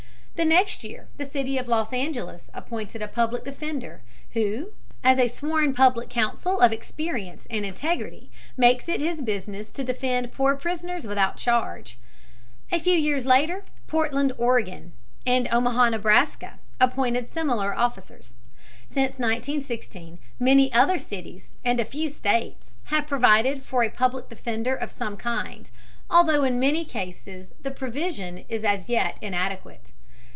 The next year the city of Los Angeles appointed a Public Defender who, as a sworn public counsel of experience and integrity, makes it his business to defend poor prisoners without charge. A few years later, Portland, Oregon, and Omaha, Nebraska, appointed similar officers. Since 1916 many other cities, and a few states, have provided for a Public Defender of some kind, although in many cases the provision is as yet inadequate.